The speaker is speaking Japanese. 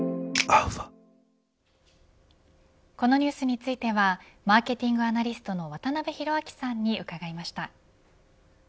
このニュースについてはマーケティングアナリストの渡辺広明さんに伺いました。